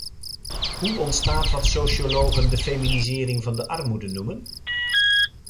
Hoe ontstaat wat sociologen de feminisering van de armoede noemen?